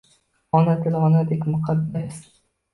Ona tili onadek muqaddas